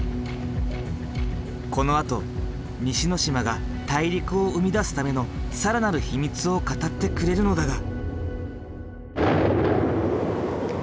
このあと西之島が大陸を生み出すための更なる秘密を語ってくれるのだが。